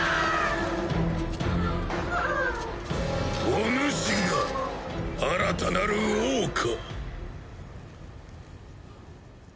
おぬしが新たなる王か？